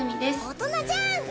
「大人じゃん」